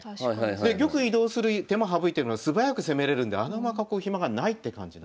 で玉移動する手間省いてるのは素早く攻めれるんで穴熊囲う暇がないって感じなんですよ。